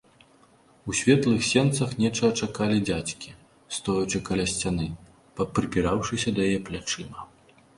У светлых сенцах нечага чакалі дзядзькі, стоячы каля сцяны, папрыпіраўшыся да яе плячыма.